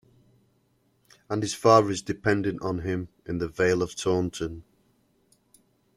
And his father is dependent on him in the Vale of Taunton.